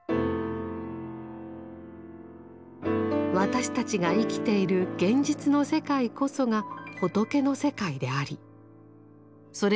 私たちが生きている現実の世界こそが「仏の世界」でありそれ